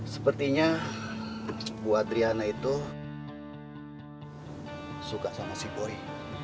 sepertinya bu adriana itu suka sama si boy